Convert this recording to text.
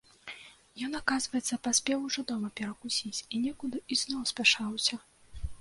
Ён, аказваецца, паспеў ужо дома перакусіць і некуды ізноў спяшаўся.